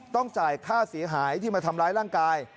ต้องจ่ายค่าเสียหายที่มาทำร้ายร่างกาย